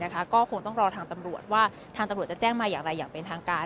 ก็คงต้องรอทางตำรวจว่าทางตำรวจจะแจ้งมาอย่างไรอย่างเป็นทางการ